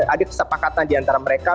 ada kesepakatan diantara mereka